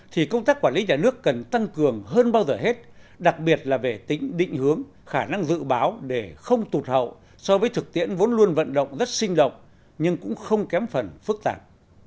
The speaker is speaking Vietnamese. thì công tác quản lý nhà nước cần tăng cường hơn bao giờ hết đặc biệt là về tính định hướng khả năng dự báo để không tụt hậu so với thực tiễn vốn luôn vận động rất sinh động nhưng cũng không kém phần phức tạp